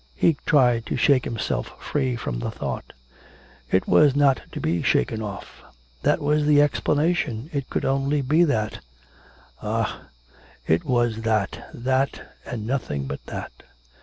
He tried to shake himself free from the thought; it was not to be shaken off. That was the explanation. It could only be that ah! it was that, that, and nothing but that.